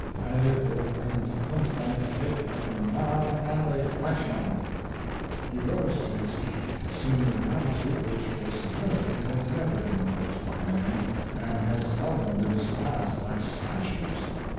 I will confront my fate like a man and a Frenchman." He rose to his feet, and assumed an attitude which for sublimity has never been approached by man, and has seldom been surpassed by statues.